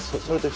そう。